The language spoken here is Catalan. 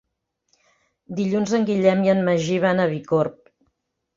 Dilluns en Guillem i en Magí van a Bicorb.